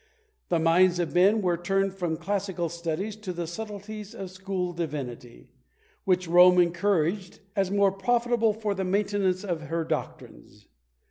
The minds of men were turned from classical studies to the subtilties of school divinity, which Rome encouraged, as more profitable for the maintenance of her doctrines.